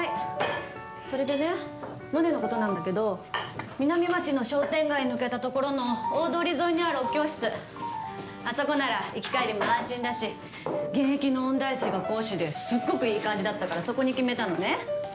それでね萌音のことなんだけど南町の商店街抜けたところの大通り沿いにあるお教室、あそこなら行き帰りも安心だし現役の音大生が講師ですごくいい感じだからそこに決めたのね。